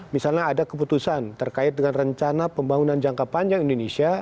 misalnya ada keputusan terkait dengan rencana pembangunan jangka panjang indonesia